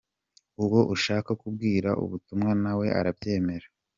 Uwo ushaka kubwira ubutumwa nawe arabyemera.